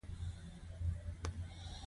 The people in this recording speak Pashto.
ډېره مرسته وکړه.